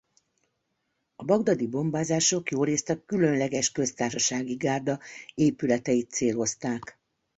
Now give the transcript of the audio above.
A bagdadi bombázások jórészt a Különleges Köztársasági Gárda épületeit célozták.